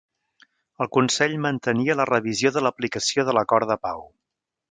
El Consell mantenia la revisió de l'aplicació de l'Acord de pau.